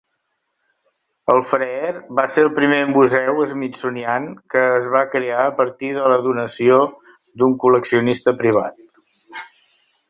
El Freer va ser el primer museu Smithsonian que es va crear a partir de la donació d'un col·leccionista privat.